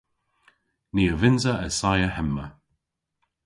Ni a vynnsa assaya hemma.